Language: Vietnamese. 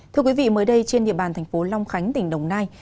thưa quý vị mới đây trên địa bàn tp long khánh tỉnh đồng nai